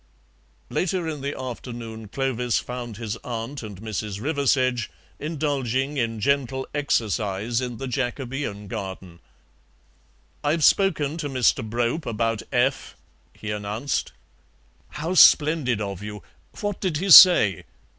Later in the afternoon Clovis found his aunt and Mrs. Riversedge indulging in gentle exercise in the Jacobean garden. "I've spoken to Mr. Brope about F.," he announced. "How splendid of you! What did he say?"